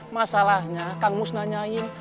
masalahnya kang mus nanyain